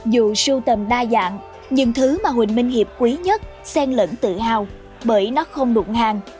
dù sưu tầm đa dạng nhưng thứ mà huỳnh minh hiệp quý nhất sen lẫn tự hào bởi nó không đụng hàng